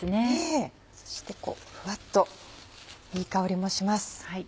そしてふわっといい香りもします。